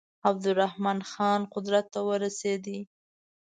عبدالرحمن خان قدرت ته ورسېدی.